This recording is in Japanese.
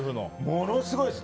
ものすごいです。